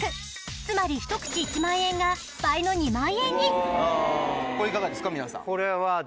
つまり一口１万円が倍の２万円にこれいかがですか皆さん。